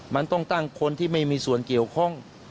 มันต้องตั้งคนที่ไม่มีส่วนเกี่ยวข้อง